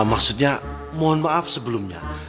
maksudnya mohon maaf sebelumnya